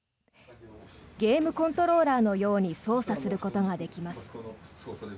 ゲームコントローラーのように操作することができます。